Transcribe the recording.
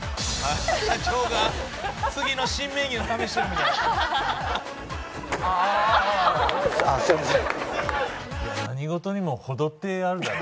「社長が次の新メニュー試してるみたい」ああすいません。